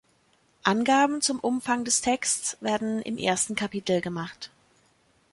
Angaben zum Umfang des Texts werden im ersten Kapitel gemacht.